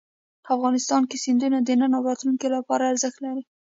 افغانستان کې سیندونه د نن او راتلونکي لپاره ارزښت لري.